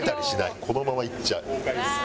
このままいっちゃう。